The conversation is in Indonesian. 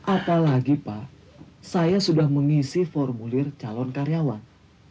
apalagi pak saya sudah mengisi formulir calon karyawan